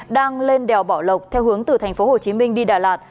đang lên đèo bảo lộc theo hướng từ tp hồ chí minh đi đà lạt